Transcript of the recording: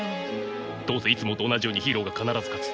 どうせいつもと同じようにヒーローが必ず勝つ。